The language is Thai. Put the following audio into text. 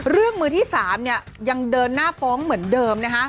มือที่๓ยังเดินหน้าฟ้องเหมือนเดิมนะคะ